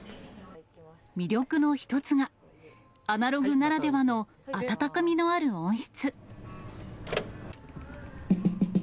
魅力の一つがアナログならではの温かみのある音質。